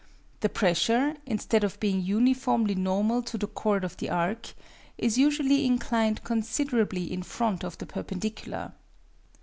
The pressure, instead of being uniformly normal to the chord of the arc, is usually inclined considerably in front of the perpendicular.